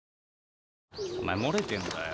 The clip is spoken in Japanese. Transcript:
お前漏れてんだよ。